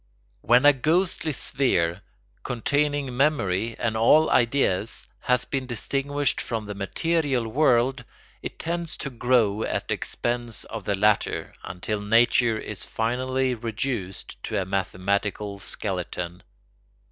] When a ghostly sphere, containing memory and all ideas, has been distinguished from the material world, it tends to grow at the expense of the latter, until nature is finally reduced to a mathematical skeleton.